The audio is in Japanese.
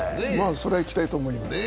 それは行きたいと思います。